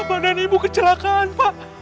bapak dan ibu kecelakaan pak